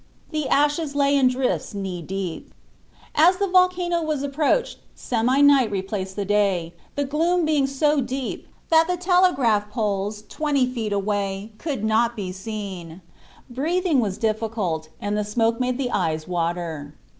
The ashes lay in drifts knee deep. As the volcano was approached semi night replaced the day, the gloom being so deep that telegraph poles twenty feet away could not be seen. Breathing was difficult, and the smoke made the eyes water.